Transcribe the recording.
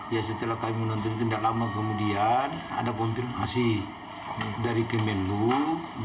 ya setelah kami menonton tidak lama kemudian ada konfirmasi dari kementerian luar negeri indonesia